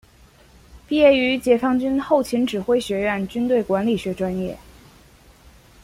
毕业于解放军后勤指挥学院军队管理学专业。